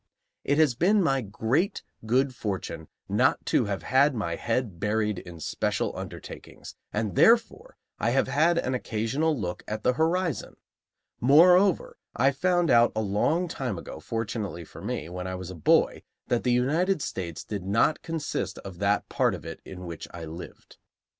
It has been my great good fortune not to have had my head buried in special undertakings, and, therefore, I have had an occasional look at the horizon. Moreover, I found out, a long time ago, fortunately for me, when I was a boy, that the United States did not consist of that part of it in which I lived.